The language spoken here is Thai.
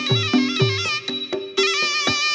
โชว์ที่สุดท้าย